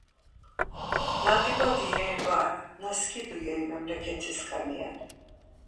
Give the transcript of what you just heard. Na dibadi yeri var, na skidu yeri memleketi skani ren.